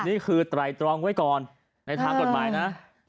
นี่คือไตรตรองไว้ก่อนในทางกฎหมายนะ